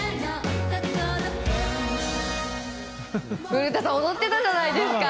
古田さん踊ってたじゃないですか。